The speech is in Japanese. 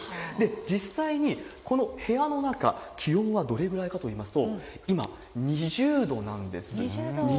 実際にこの部屋の中、気温はどれぐらいかといいますと、今、２０度、涼しい。